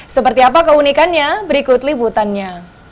seperti apa keunikannya berikut liputannya